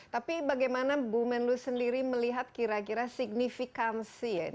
tapi bagaimana bu muenlu sendiri melihat kira kira signifikansi